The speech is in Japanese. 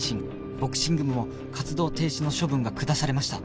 ボクシング部も活動停止の処分が下されました